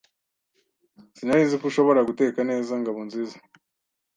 Sinari nzi ko ushobora guteka neza, Ngabonziza.